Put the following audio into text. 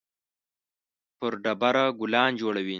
پر ډبره ګلان جوړوي